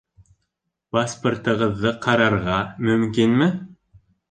Паспортығыҙҙы ҡарарға мөмкинме?